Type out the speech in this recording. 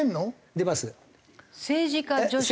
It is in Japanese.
出ます。